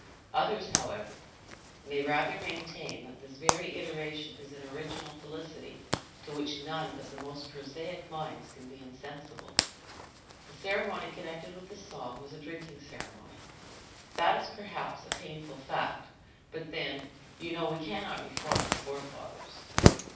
Others, however, may rather maintain that this very iteration is an original felicity, to which none but the most prosaic minds can be insensible. The ceremony connected with the song was a drinking ceremony. (That is perhaps a painful fact, but then, you know, we cannot reform our forefathers.)